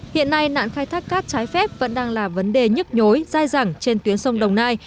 hiện nay nạn khai thác cát trái phép vẫn đang là vấn đề nhức nhối dai dẳng trên tuyến sông đồng nai